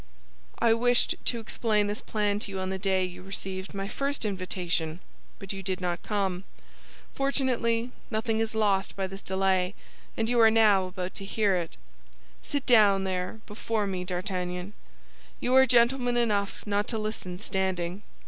"I wished to explain this plan to you on the day you received my first invitation; but you did not come. Fortunately, nothing is lost by this delay, and you are now about to hear it. Sit down there, before me, D'Artagnan; you are gentleman enough not to listen standing."